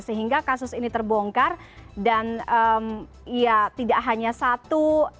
sehingga kasus ini terbongkar dan ya tidak hanya satu